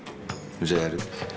じゃあやる？